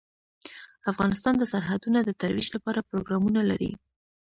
افغانستان د سرحدونه د ترویج لپاره پروګرامونه لري.